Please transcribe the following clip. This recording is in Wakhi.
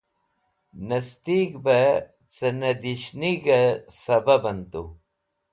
Nastig̃h bẽ cẽ nẽdihnig̃h sẽbabẽn tu.